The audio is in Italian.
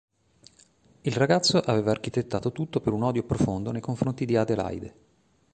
Il ragazzo aveva architettato tutto per un odio profondo nei confronti di Adelaide.